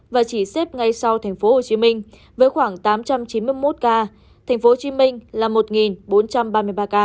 và chỉ xếp ngay sau thành phố hồ chí minh với khoảng tám trăm chín mươi một ca thành phố hồ chí minh là một bốn trăm ba mươi ba ca